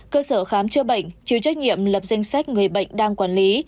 cơ sở khám chữa bệnh chịu trách nhiệm lập danh sách người bệnh đang quản lý